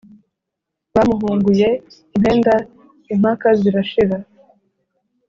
Bamuhunguye impenda* impaka zirashira,